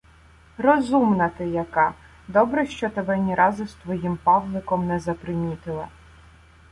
— Розумна ти яка! Добре, що тебе ні разу з твоїм Павликом не запримітила.